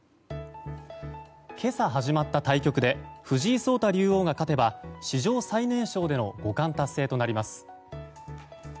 今朝始まった対局で藤井聡太竜王が勝てば史上最年少での五冠達成となります。